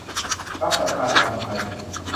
พรรคประชาธรรมไทย